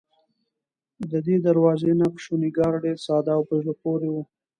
ددې دروازې نقش و نگار ډېر ساده او په زړه پورې و.